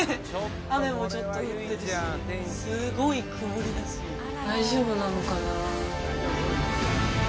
雨もちょっと降ってるしすごい曇りだし大丈夫なのかな？